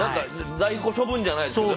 在庫処分じゃないですけどね。